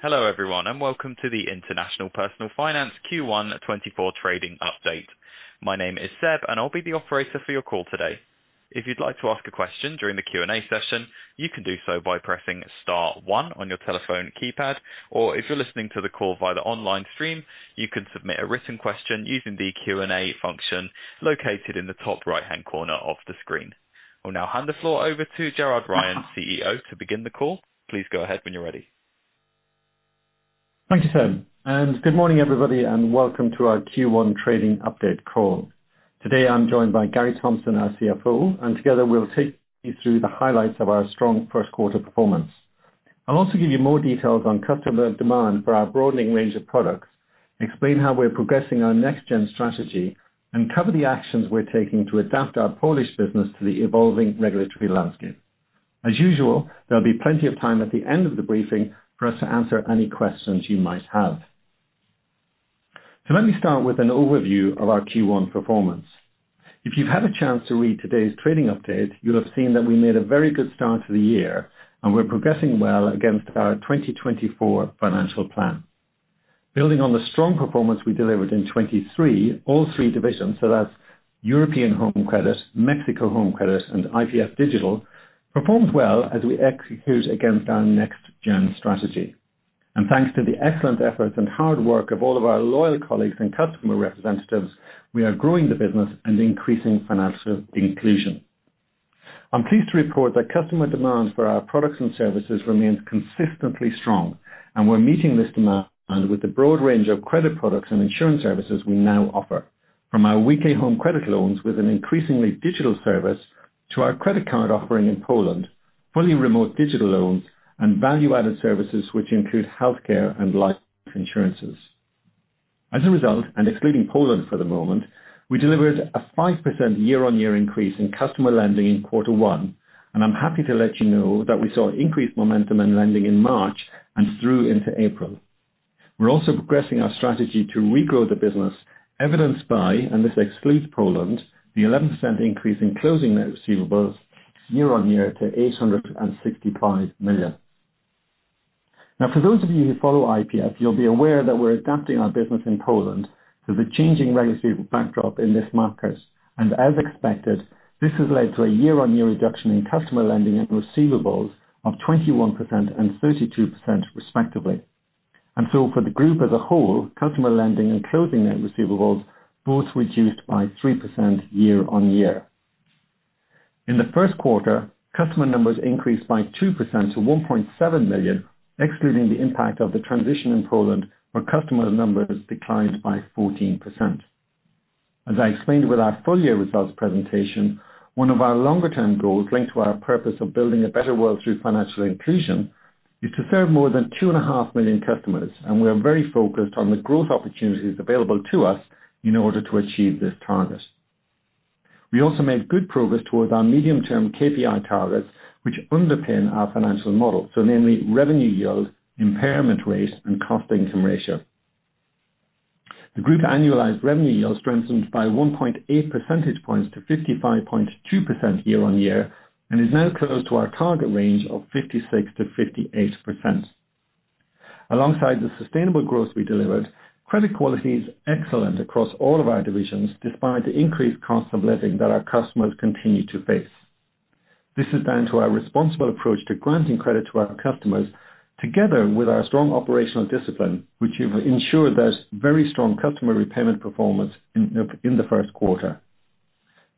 Hello everyone, and welcome to the International Personal Finance Q1 2024 trading update. My name is Seb, and I'll be the operator for your call today. If you'd like to ask a question during the Q&A session, you can do so by pressing star one on your telephone keypad, or if you're listening to the call via the online stream, you can submit a written question using the Q&A function located in the top right-hand corner of the screen. I'll now hand the floor over to Gerard Ryan, CEO, to begin the call. Please go ahead when you're ready. Thank you, Seb, and good morning, everybody, and welcome to our Q1 trading update call. Today, I'm joined by Gary Thompson, our CFO, and together we'll take you through the highlights of our strong first quarter performance. I'll also give you more details on customer demand for our broadening range of products, explain how we're progressing our next gen strategy, and cover the actions we're taking to adapt our Polish business to the evolving regulatory landscape. As usual, there'll be plenty of time at the end of the briefing for us to answer any questions you might have. Let me start with an overview of our Q1 performance. If you've had a chance to read today's trading update, you'll have seen that we made a very good start to the year, and we're progressing well against our 2024 financial plan. Building on the strong performance we delivered in 2023, all three divisions, so that's European Home Credit, Mexico Home Credit, and IPF Digital, performed well as we execute against our Next Gen strategy. And thanks to the excellent efforts and hard work of all of our loyal colleagues and customer representatives, we are growing the business and increasing financial inclusion. I'm pleased to report that customer demand for our products and services remains consistently strong, and we're meeting this demand with the broad range of credit products and insurance services we now offer. From our weekly home credit loans with an increasingly digital service to our credit card offering in Poland, fully remote digital loans, and value-added services, which include healthcare and life insurances. As a result, and excluding Poland for the moment, we delivered a 5% year-on-year increase in customer lending in quarter one, and I'm happy to let you know that we saw increased momentum in lending in March and through into April. We're also progressing our strategy to regrow the business, evidenced by, and this excludes Poland, the 11% increase in closing net receivables year on year to 865 million. Now, for those of you who follow IPF, you'll be aware that we're adapting our business in Poland to the changing regulatory backdrop in this market, and as expected, this has led to a year-on-year reduction in customer lending and receivables of 21% and 32% respectively. And so for the group as a whole, customer lending and closing net receivables both reduced by 3% year on year. In the first quarter, customer numbers increased by 2% to 1.7 million, excluding the impact of the transition in Poland, where customer numbers declined by 14%. As I explained with our full year results presentation, one of our longer term goals, linked to our purpose of building a better world through financial inclusion, is to serve more than 2.5 million customers, and we are very focused on the growth opportunities available to us in order to achieve this target. We also made good progress towards our medium-term KPI targets, which underpin our financial model, so namely, revenue yield, impairment rate, and cost-income ratio. The group annualized revenue yield strengthened by 1.8 percentage points to 55.2% year-on-year and is now close to our target range of 56%-58%. Alongside the sustainable growth we delivered, credit quality is excellent across all of our divisions, despite the increased cost of living that our customers continue to face. This is down to our responsible approach to granting credit to our customers, together with our strong operational discipline, which have ensured there's very strong customer repayment performance in the first quarter.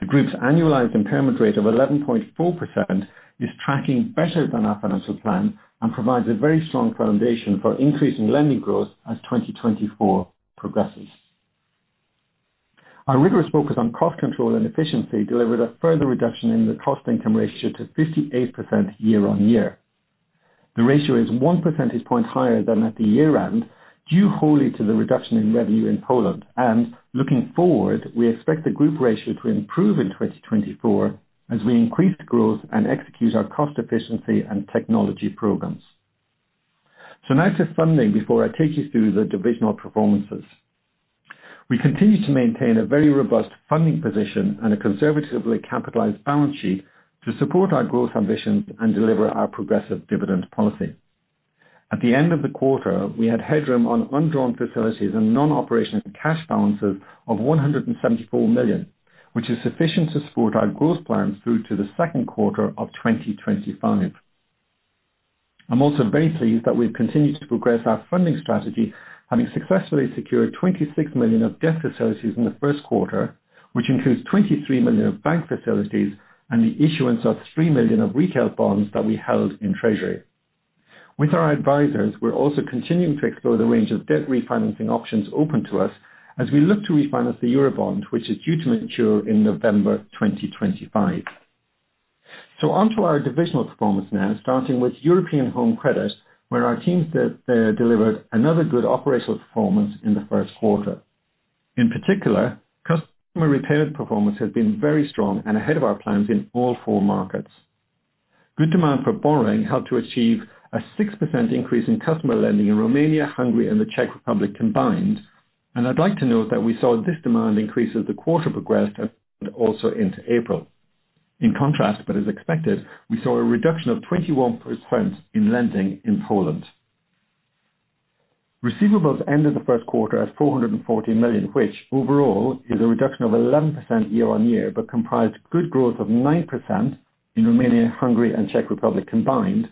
The group's annualized impairment rate of 11.4% is tracking better than our financial plan and provides a very strong foundation for increasing lending growth as 2024 progresses. Our rigorous focus on cost control and efficiency delivered a further reduction in the cost-income ratio to 58% year-over-year. The ratio is 1 percentage point higher than at the year-end, due wholly to the reduction in revenue in Poland. Looking forward, we expect the group ratio to improve in 2024 as we increase growth and execute our cost efficiency and technology programs. Now to funding before I take you through the divisional performances. We continue to maintain a very robust funding position and a conservatively capitalized balance sheet to support our growth ambitions and deliver our progressive dividend policy. At the end of the quarter, we had headroom on undrawn facilities and non-operational cash balances of 174 million, which is sufficient to support our growth plans through to the second quarter of 2025. I'm also very pleased that we've continued to progress our funding strategy, having successfully secured 26 million of debt facilities in the first quarter, which includes 23 million of bank facilities and the issuance of 3 million of retail bonds that we held in treasury. With our advisors, we're also continuing to explore the range of debt refinancing options open to us as we look to refinance the Eurobond, which is due to mature in November 2025. So onto our divisional performance now, starting with European Home Credit, where our teams delivered another good operational performance in the first quarter. In particular, customer repayment performance has been very strong and ahead of our plans in all four markets. Good demand for borrowing helped to achieve a 6% increase in customer lending in Romania, Hungary, and the Czech Republic combined. And I'd like to note that we saw this demand increase as the quarter progressed and also into April.... In contrast, but as expected, we saw a reduction of 21% in lending in Poland. Receivables ended the first quarter at 440 million, which overall is a reduction of 11% year-on-year, but comprised good growth of 9% in Romania, Hungary, and Czech Republic combined,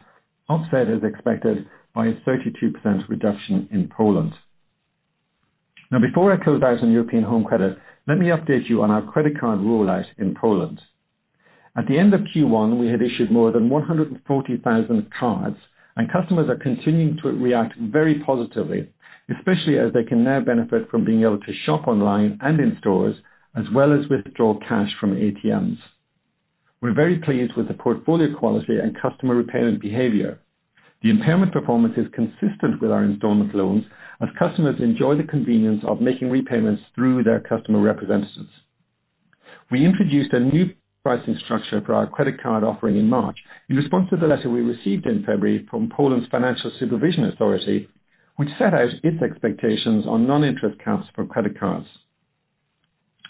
offset as expected by a 32% reduction in Poland. Now, before I close out on European Home Credit, let me update you on our credit card rollout in Poland. At the end of Q1, we had issued more than 140,000 cards, and customers are continuing to react very positively, especially as they can now benefit from being able to shop online and in stores, as well as withdraw cash from ATMs. We're very pleased with the portfolio quality and customer repayment behavior. The impairment performance is consistent with our installment loans, as customers enjoy the convenience of making repayments through their customer representatives. We introduced a new pricing structure for our credit card offering in March, in response to the letter we received in February from Poland's Financial Supervision Authority, which set out its expectations on non-interest costs for credit cards.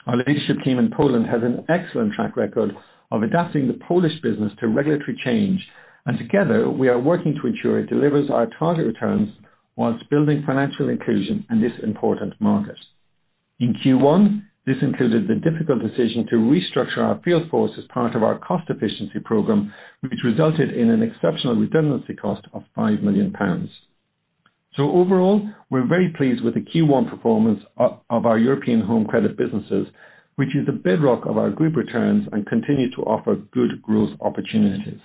Our leadership team in Poland has an excellent track record of adapting the Polish business to regulatory change, and together, we are working to ensure it delivers our target returns while building financial inclusion in this important market. In Q1, this included the difficult decision to restructure our field force as part of our cost efficiency program, which resulted in an exceptional redundancy cost of 5 million pounds. So overall, we're very pleased with the Q1 performance of our European home credit businesses, which is the bedrock of our group returns and continue to offer good growth opportunities.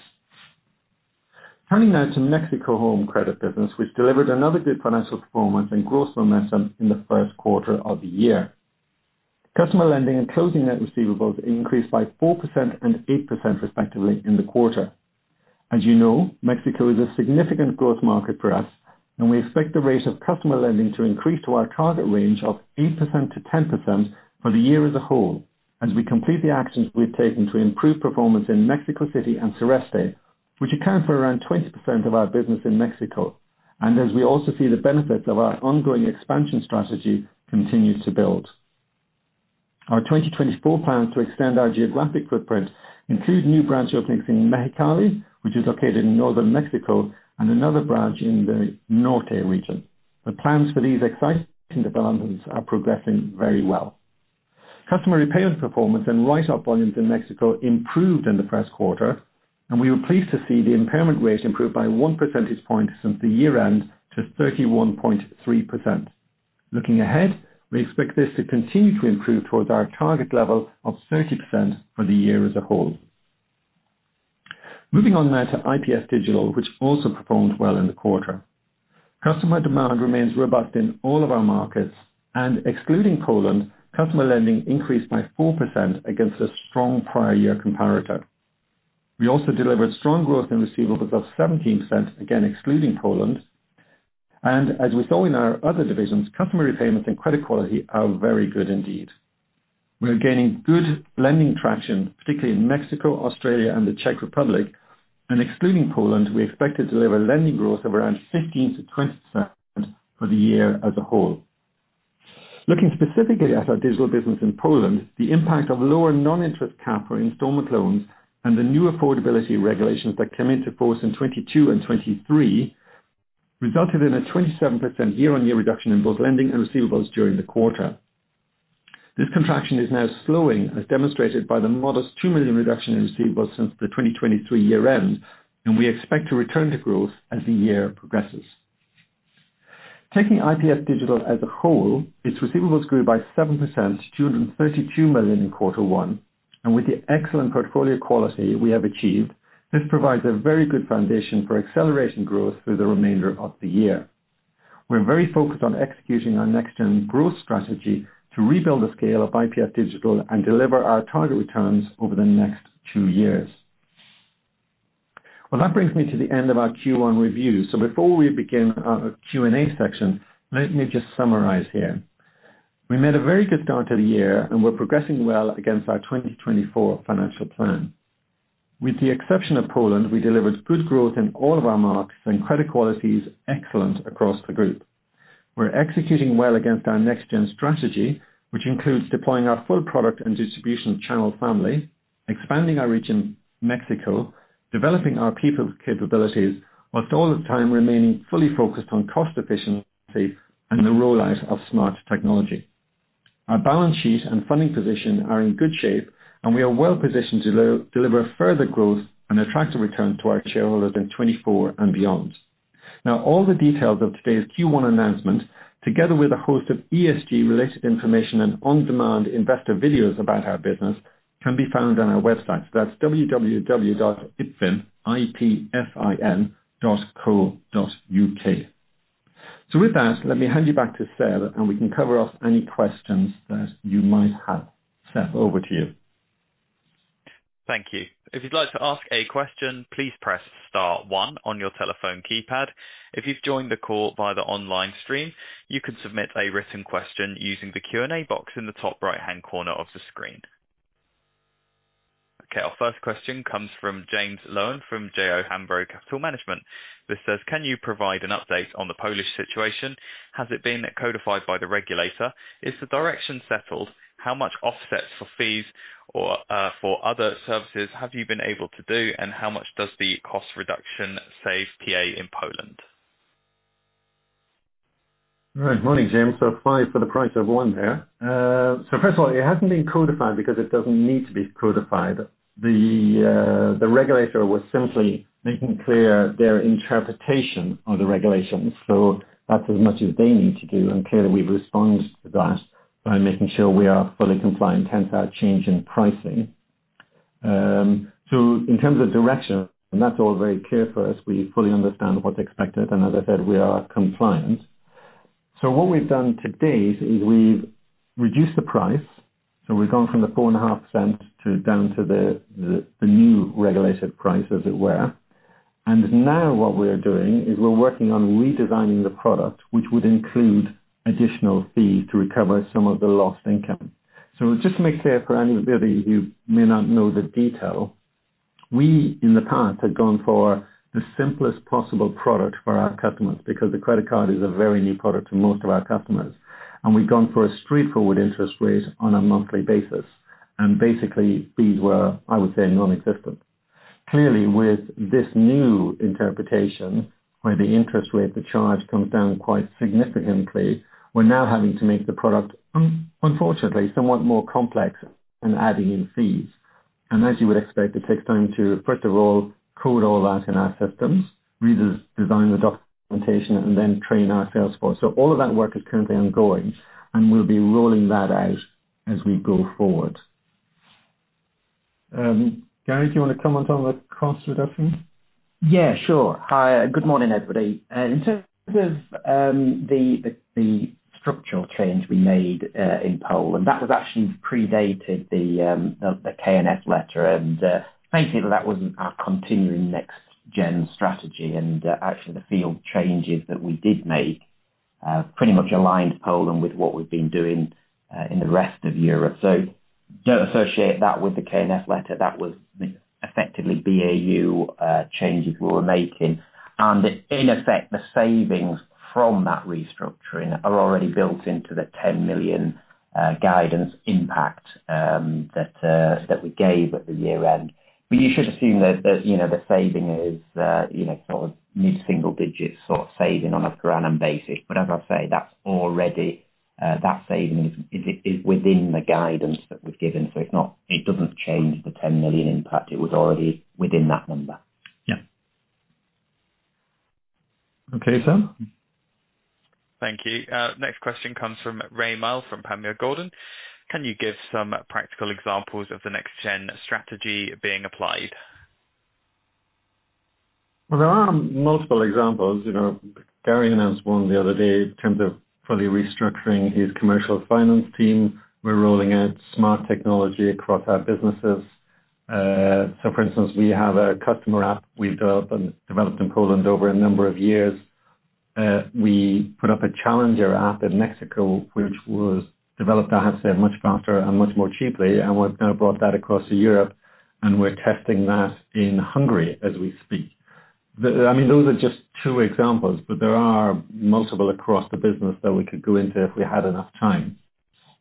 Turning now to Mexico Home Credit business, which delivered another good financial performance and growth momentum in the first quarter of the year. Customer lending and closing net receivables increased by 4% and 8% respectively in the quarter. As you know, Mexico is a significant growth market for us, and we expect the rate of customer lending to increase to our target range of 8%-10% for the year as a whole as we complete the actions we've taken to improve performance in Mexico City and Sureste, which account for around 20% of our business in Mexico. As we also see the benefits of our ongoing expansion strategy continue to build. Our 2024 plans to extend our geographic footprint include new branch openings in Mexicali, which is located in northern Mexico, and another branch in the Norte region. The plans for these exciting developments are progressing very well. Customer repayment performance and write-off volumes in Mexico improved in the first quarter, and we were pleased to see the impairment rate improve by one percentage point since the year end to 31.3%. Looking ahead, we expect this to continue to improve towards our target level of 30% for the year as a whole. Moving on now to IPF Digital, which also performed well in the quarter. Customer demand remains robust in all of our markets, and excluding Poland, customer lending increased by 4% against a strong prior year comparator. We also delivered strong growth in receivables of 17%, again excluding Poland. And as we saw in our other divisions, customer repayments and credit quality are very good indeed. We are gaining good lending traction, particularly in Mexico, Australia, and the Czech Republic, and excluding Poland, we expect to deliver lending growth of around 15%-20% for the year as a whole. Looking specifically at our digital business in Poland, the impact of lower non-interest cap for installment loans and the new affordability regulations that came into force in 2022 and 2023 resulted in a 27% year-on-year reduction in both lending and receivables during the quarter. This contraction is now slowing, as demonstrated by the modest 2 million reduction in receivables since the 2023 year end, and we expect to return to growth as the year progresses. Taking IPF Digital as a whole, its receivables grew by 7% to 232 million in quarter one, and with the excellent portfolio quality we have achieved, this provides a very good foundation for acceleration growth through the remainder of the year. We're very focused on executing our next gen growth strategy to rebuild the scale of IPF Digital and deliver our target returns over the next two years. Well, that brings me to the end of our Q1 review. So before we begin our Q&A section, let me just summarize here. We made a very good start to the year and we're progressing well against our 2024 financial plan. With the exception of Poland, we delivered good growth in all of our markets, and credit quality is excellent across the group. We're executing well against our Next Gen strategy, which includes deploying our full product and distribution channel family, expanding our reach in Mexico, developing our people capabilities, while all the time remaining fully focused on cost efficiency and the rollout of smart technology. Our balance sheet and funding position are in good shape, and we are well positioned to deliver further growth and attractive returns to our shareholders in 2024 and beyond. Now, all the details of today's Q1 announcement, together with a host of ESG-related information and on-demand investor videos about our business, can be found on our website. So that's www.ipfin, I-P-F-I-N, .co.uk. So with that, let me hand you back to Seb, and we can cover off any questions that you might have. Seb, over to you. Thank you. If you'd like to ask a question, please press star one on your telephone keypad. If you've joined the call via the online stream, you can submit a written question using the Q&A box in the top right-hand corner of the screen. Okay, our first question comes from James Lowen, from J O Hambro Capital Management. This says: Can you provide an update on the Polish situation? Has it been codified by the regulator? Is the direction settled? How much offsets for fees or, for other services have you been able to do, and how much does the cost reduction save PA in Poland? All right. Morning, James. So five for the price of one there. So first of all, it hasn't been codified because it doesn't need to be codified. The regulator was simply making clear their interpretation of the regulations, so that's as much as they need to do. And clearly, we've responded to that by making sure we are fully compliant, hence our change in pricing. So in terms of direction, and that's all very clear for us, we fully understand what's expected, and as I said, we are compliant. So what we've done to date is we've reduced the price, so we've gone from the 4.5% to down to the new regulated price, as it were. Now what we are doing is we're working on redesigning the product, which would include additional fees to recover some of the lost income. So just to make clear, for anybody of you who may not know the detail, we, in the past, had gone for the simplest possible product for our customers, because the credit card is a very new product to most of our customers. And we've gone for a straightforward interest rate on a monthly basis, and basically, fees were, I would say, nonexistent. Clearly, with this new interpretation, where the interest rate, the charge comes down quite significantly, we're now having to make the product unfortunately somewhat more complex in adding in fees. And as you would expect, it takes time to first of all code all that in our systems, redesign the documentation, and then train our sales force. So all of that work is currently ongoing, and we'll be rolling that out as we go forward. Gary, do you want to comment on the cost reduction? Yeah, sure. Hi, good morning, everybody. In terms of the structural change we made in Poland, that was actually predated the KNF letter, and basically, that was our continuing Next Gen strategy. And actually the field changes that we did make pretty much aligned Poland with what we've been doing in the rest of Europe. So don't associate that with the KNF letter. That was effectively BAU changes we were making. And in effect, the savings from that restructuring are already built into the 10 million guidance impact that we gave at the year end. But you should assume that you know, the saving is you know, sort of mid-single digit sort of saving on a ground up basis. But as I say, that's already, that saving is within the guidance that we've given, so it's not. It doesn't change the 10 million impact. It was already within that number. Yeah. Okay, Seb? Thank you. Next question comes from Rae Maile from Panmure Gordon. Can you give some practical examples of the Next Gen strategy being applied? Well, there are multiple examples. You know, Gary announced one the other day in terms of fully restructuring his commercial finance team. We're rolling out smart technology across our businesses. So for instance, we have a customer app we've developed in Poland over a number of years. We put up a Challenger app in Mexico, which was developed, I have to say, much faster and much more cheaply, and we've now brought that across to Europe, and we're testing that in Hungary as we speak. I mean, those are just two examples, but there are multiple across the business that we could go into if we had enough time.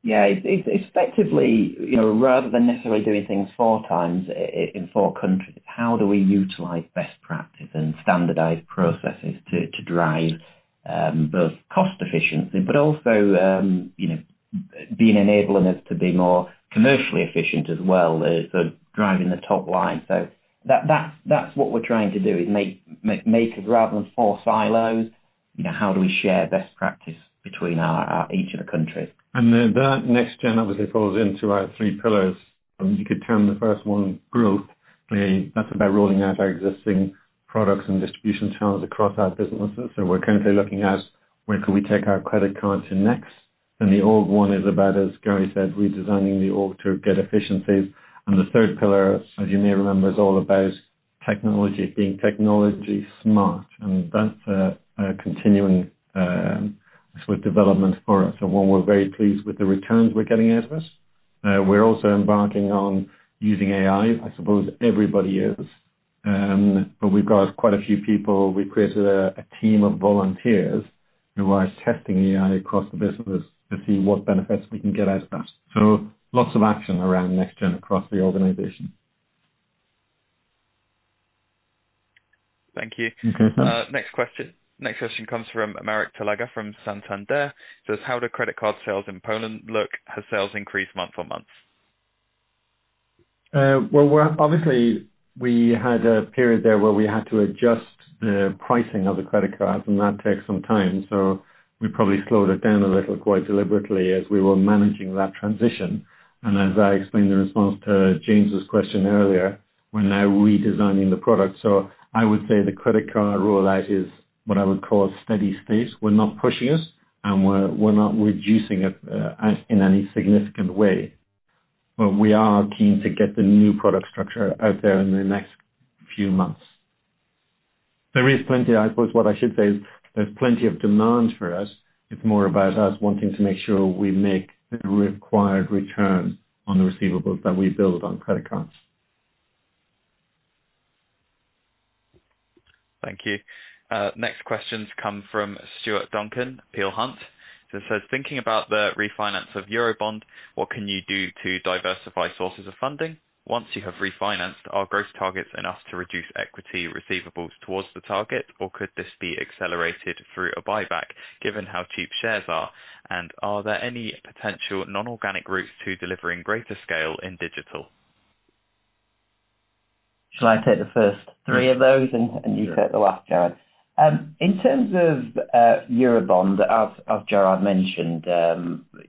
Yeah, it's, it's effectively, you know, rather than necessarily doing things four times in four countries, how do we utilize best practice and standardize processes to drive both cost efficiency, but also, you know, being enabling us to be more commercially efficient as well as, so driving the top line? So that, that's, that's what we're trying to do, is make rather than four silos, you know, how do we share best practice between our each of the countries? And then that Next Gen obviously falls into our three pillars. You could term the first one growth. That's about rolling out our existing products and distribution channels across our businesses. So we're currently looking at where could we take our credit cards in next? The other one is about, as Gary said, redesigning the org to get efficiencies. The third pillar, as you may remember, is all about technology, being technology smart. That's a continuing sort of development for us. One we're very pleased with the returns we're getting out of it. We're also embarking on using AI. I suppose everybody is. But we've got quite a few people. We created a team of volunteers who are testing AI across the business to see what benefits we can get out of that. So lots of action around Next Gen across the organization. Thank you. Mm-hmm. Next question, next question comes from Marek Talaga from Santander. So how do credit card sales in Poland look? Has sales increased month-on-month? Well, we're obviously had a period there where we had to adjust the pricing of the credit card, and that takes some time, so we probably slowed it down a little, quite deliberately, as we were managing that transition. And as I explained the response to James' question earlier, we're now redesigning the product. So I would say the credit card roll out is what I would call a steady state. We're not pushing it, and we're not reducing it in any significant way. But we are keen to get the new product structure out there in the next few months. There is plenty... I suppose what I should say is, there's plenty of demand for us. It's more about us wanting to make sure we make the required return on the receivables that we build on credit cards. Thank you. Next questions come from Stuart Duncan, Peel Hunt. So it says: Thinking about the refinance of Eurobond, what can you do to diversify sources of funding? Once you have refinanced, are growth targets enough to reduce equity receivables towards the target, or could this be accelerated through a buyback, given how cheap shares are? And are there any potential non-organic routes to delivering greater scale in digital? Shall I take the first three of those, and you take the last, Gerard? In terms of Eurobond, as Gerard mentioned,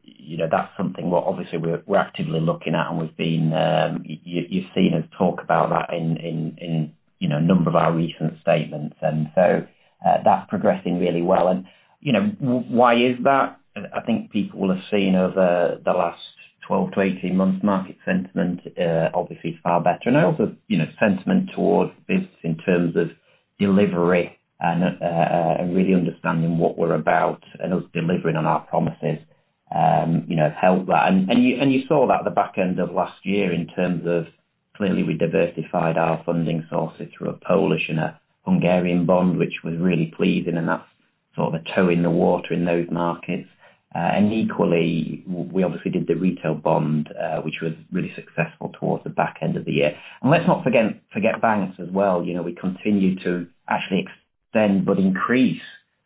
you know, that's something what obviously we're actively looking at, and we've been... you've seen us talk about that in, in, you know, a number of our recent statements, and so, that's progressing really well. And, you know, why is that? I think people will have seen over the last 12-18 months, market sentiment obviously is far better. And also, you know, sentiment towards business in terms of delivery and really understanding what we're about, and us delivering on our promises, you know, has helped that. And you saw that at the back end of last year. In terms of, clearly we diversified our funding sources through a Polish and a Hungarian bond, which was really pleasing, and that's sort of a toe in the water in those markets. And equally, we obviously did the retail bond, which was really successful towards the back end of the year. And let's not forget banks as well. You know, we continue to actually extend, but increase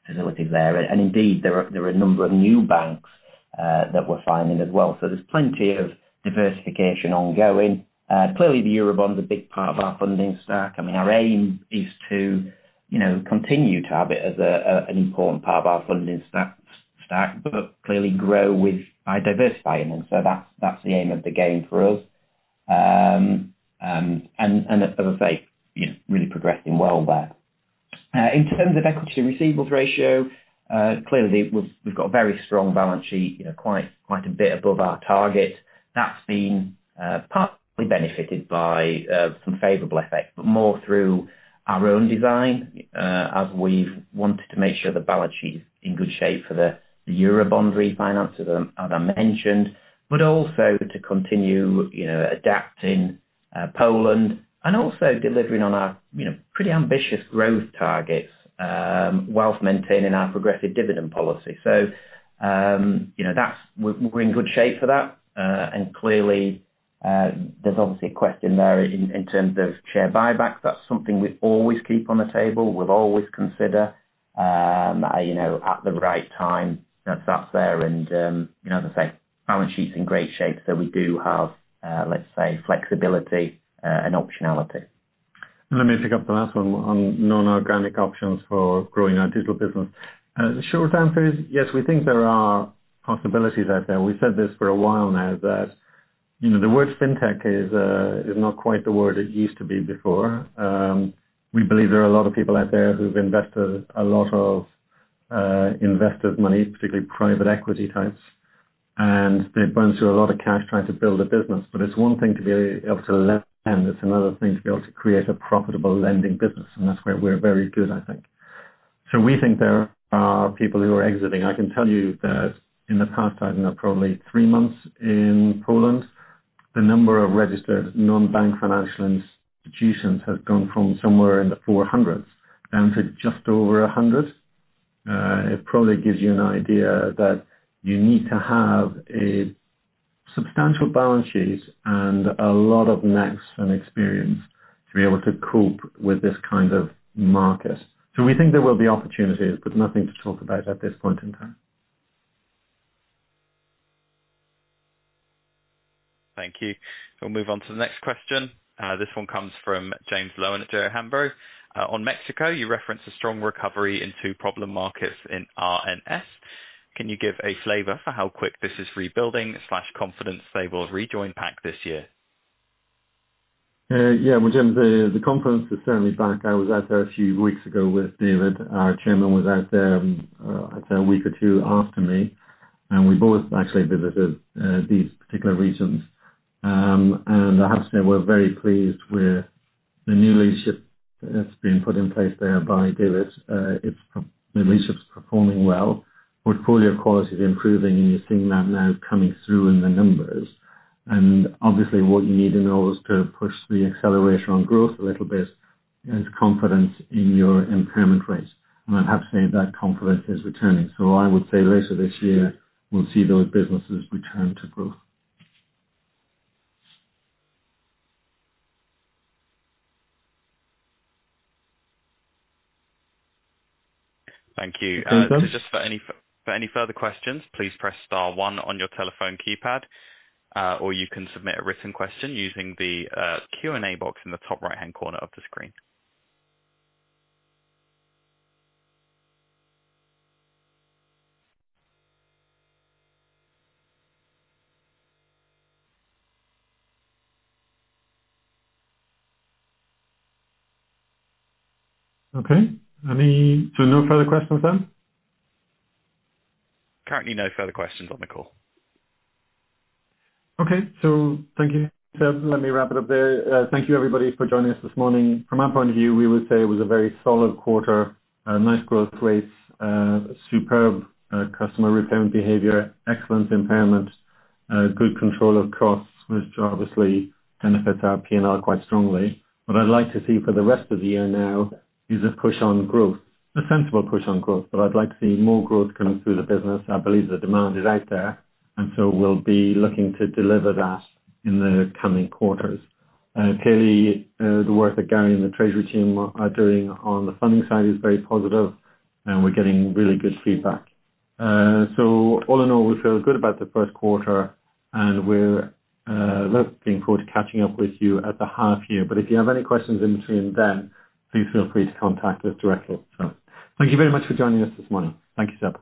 our relative there. And indeed, there are a number of new banks that we're finding as well. So there's plenty of diversification ongoing. Clearly, the Eurobond's a big part of our funding stack. I mean, our aim is to, you know, continue to have it as an important part of our funding stack, but clearly grow by diversifying them. So that's the aim of the game for us. And as I say, you know, really progressing well there. In terms of equity receivables ratio, clearly, we've got a very strong balance sheet, you know, quite a bit above our target. That's been partly benefited by some favorable effects, but more through our own design, as we've wanted to make sure the balance sheet is in good shape for the Eurobond refinance, as I mentioned, but also to continue, you know, adapting Poland, and also delivering on our, you know, pretty ambitious growth targets, whilst maintaining our progressive dividend policy. So, you know, that's... We're in good shape for that. And clearly, there's obviously a question there in terms of share buybacks. That's something we always keep on the table, we'll always consider, you know, at the right time, that's out there, and, you know, as I say, balance sheet's in great shape, so we do have, let's say, flexibility, and optionality. Let me pick up the last one on non-organic options for growing our digital business. The short answer is, yes, we think there are possibilities out there. We've said this for a while now that, you know, the word fintech is not quite the word it used to be before. We believe there are a lot of people out there who've invested a lot of investors' money, particularly private equity types, and they've burned through a lot of cash trying to build a business. But it's one thing to be able to lend, and it's another thing to be able to create a profitable lending business, and that's where we're very good, I think. So we think there are people who are exiting. I can tell you that in the past, I don't know, probably three months in Poland, the number of registered non-bank financial institutions has gone from somewhere in the 400s, down to just over 100. It probably gives you an idea that you need to have a substantial balance sheet, and a lot of max and experience, to be able to cope with this kind of market. So we think there will be opportunities, but nothing to talk about at this point in time. Thank you. We'll move on to the next question. This one comes from James Lowen at J O Hambro. On Mexico, you referenced a strong recovery in two problem markets in RNS. Can you give a flavor for how quick this is rebuilding, slash, confidence they will rejoin pack this year? Yeah, well, James, the confidence is certainly back. I was out there a few weeks ago with David. Our Chairman was out there I'd say a week or two after me. And we both actually visited these particular regions. And I have to say, we're very pleased with the new leadership that's been put in place there by David. It's performing well. Portfolio quality is improving, and you're seeing that now coming through in the numbers. And obviously, what you need in order to push the acceleration on growth a little bit, is confidence in your impairment rates. And I have to say, that confidence is returning. So I would say later this year, we'll see those businesses return to growth. Thank you. Thanks. So just for any further questions, please press star one on your telephone keypad, or you can submit a written question using the Q&A box in the top right-hand corner of the screen. Okay. So no further questions, then? Currently, no further questions on the call. Okay. So thank you. So let me wrap it up there. Thank you, everybody, for joining us this morning. From our point of view, we would say it was a very solid quarter. Nice growth rates, superb customer repayment behavior, excellent impairment, good control of costs, which obviously benefits our P&L quite strongly. What I'd like to see for the rest of the year now, is a push on growth. A sensible push on growth, but I'd like to see more growth coming through the business. I believe the demand is out there, and so we'll be looking to deliver that in the coming quarters. Clearly, the work that Gary and the treasury team are doing on the funding side is very positive, and we're getting really good feedback. All in all, we feel good about the first quarter, and we're looking forward to catching up with you at the half year. But if you have any questions in between then, please feel free to contact us directly. Thank you very much for joining us this morning. Thank you, sir.